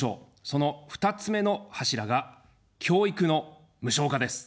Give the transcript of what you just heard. その２つ目の柱が、教育の無償化です。